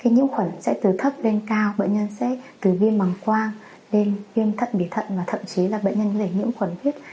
nhiễm khuẩn sẽ từ thấp lên cao bệnh nhân sẽ từ viêm bằng quang đến viêm thận bị thận và thậm chí là bệnh nhân sẽ hiểm khuẩn viết